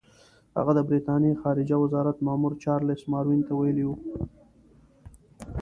هغه د برټانیې خارجه وزارت مامور چارلس ماروین ته ویلي وو.